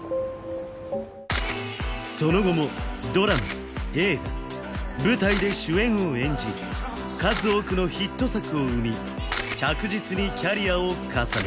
その後もドラマ映画舞台で主演を演じ数多くのヒット作を生み着実にキャリアを重ね